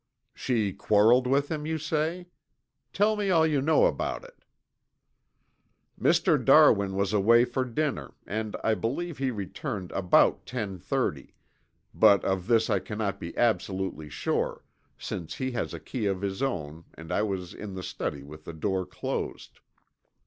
"She quarreled with him, you say? Tell me all you know about it." "Mr. Darwin was away for dinner and I believe he returned about ten thirty, but of this I cannot be absolutely sure, since he has a key of his own and I was in the study with the door closed."